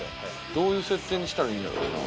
どういう設定にしたらいいんやろうな。